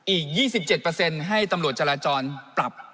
อีก๒๗ให้ตำรวจจราจรปรับ